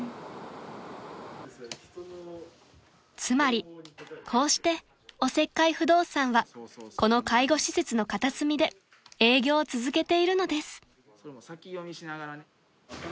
［つまりこうしておせっかい不動産はこの介護施設の片隅で営業を続けているのです］